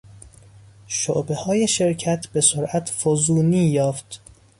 شعبههای شرکت به سرعت فزونی یافت.